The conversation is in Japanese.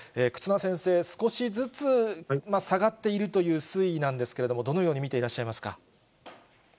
忽那先生、少しずつ下がっているという推移なんですけれども、どのように見ていらっしゃいますか。